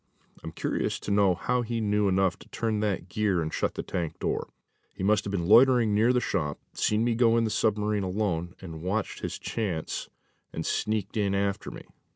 I'm curious to know how he knew enough to turn that gear and shut the tank door. He must have been loitering near the shop, seen me go in the submarine alone, watched his chance and sneaked in after me.